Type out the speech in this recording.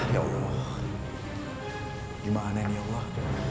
ya allah gimana ini allah